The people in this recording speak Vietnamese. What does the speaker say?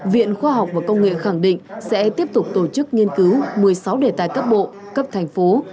viện khoa học và công nghệ khẳng định sẽ tiếp tục tổ chức nghiên cứu một mươi sáu đề tài cấp bộ cấp thành phố